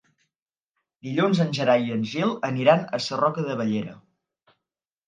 Dilluns en Gerai i en Gil aniran a Sarroca de Bellera.